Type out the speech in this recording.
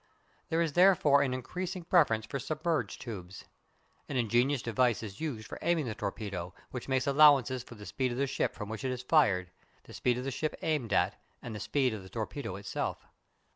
There is therefore an increasing preference for submerged tubes. An ingenious device is used for aiming the torpedo, which makes allowances for the speed of the ship from which it is fired, the speed of the ship aimed at, and the speed of the torpedo itself.